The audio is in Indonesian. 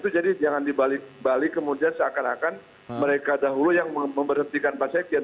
jadi jangan dibalik balik kemudian seakan akan mereka dahulu yang memberhentikan pak sekjen